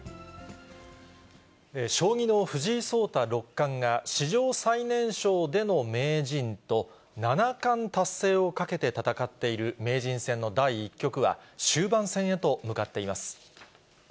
将棋の藤井聡太六冠が、史上最年少での名人と、七冠達成をかけて戦っている名人戦の第１局は、終盤戦へと向かっています。